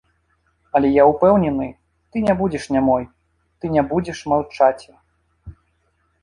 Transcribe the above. Але я ўпэўнены, ты ня будзеш нямой, ты ня будзеш маўчаці.